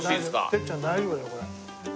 てっちゃん大丈夫だよこれ。